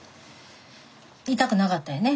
いたくなかったんやね。